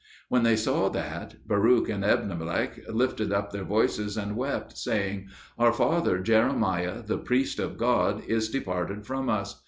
When they saw that, Baruch and Ebed melech lifted up their voices and wept, saying, "Our father Jeremiah, the priest of God, is departed from us!"